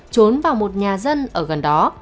trốn vào một nhà dân ở gần đó